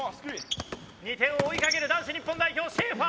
２点を追いかける男子日本代表シェーファー！